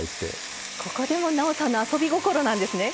ここでもなおさんの遊び心なんですね。